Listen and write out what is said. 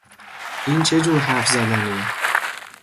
این چه جور حرف زدنه!